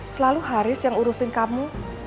selalu haris yang urusin kamu